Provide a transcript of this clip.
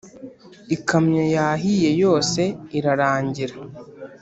Ikamyo yahiye yose irarangira